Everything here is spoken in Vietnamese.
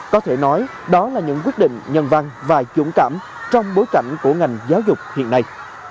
có thể nói đó là những quyết định nhân văn và dũng cảm trong bối cảnh của ngành giáo dục hiện nay